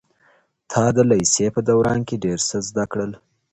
تا د لېسې په دوران کي ډیر څه زده کړل.